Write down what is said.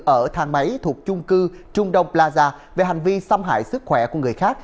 ở thang máy thuộc chung cư trung đông plaza về hành vi xâm hại sức khỏe của người khác